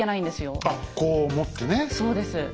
そうです。